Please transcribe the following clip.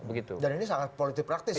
dan ini sangat politik praktis